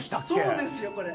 そうですよこれ。